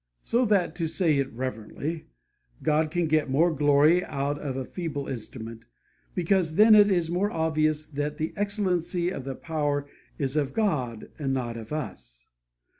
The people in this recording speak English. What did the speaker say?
So that, to say it reverently, God can get more glory out of a feeble instrument, because then it is more obvious that the excellency of the power is of God and not of us.